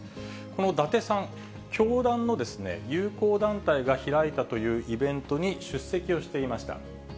この伊達さん、教団の友好団体が開いたというイベントに出席をしていました。